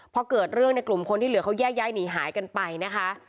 พอเกิดเรื่องในกลุ่มคนที่เหลือเขาแยกย้ายหนีหายกันไปนะคะ